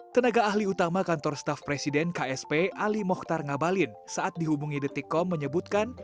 tenaga ahli utama kantor staff presiden ksp ali mohtar ngabalin saat dihubungi detikkom menyebutkan